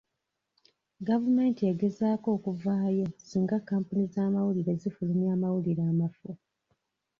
Gavumenti egezaako okuvaawo singa kampuni z'amawulire zifulumya amawulire amafu.